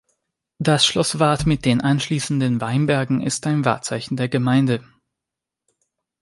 Das Schloss Wart mit den anschliessenden Weinbergen ist ein Wahrzeichen der Gemeinde.